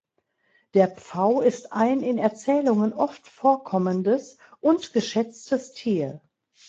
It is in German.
Der Pfau ist ein in Erzählungen oft vorkommendes und geschätztes Tier.